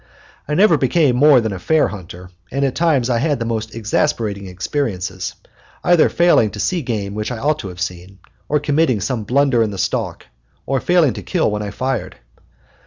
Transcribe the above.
I never became more than a fair hunter, and at times I had most exasperating experiences, either failing to see game which I ought to have seen, or committing some blunder in the stalk, or failing to kill when I fired.